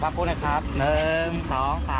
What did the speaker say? เขาก็ชอบเผินจริงอะ